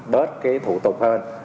bớt cái thủ tục hơn